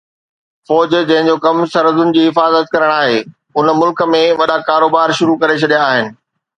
فوج جنهن جو ڪم سرحدن جي حفاظت ڪرڻ آهي ان ملڪ ۾ وڏا ڪاروبار شروع ڪري ڇڏيا آهن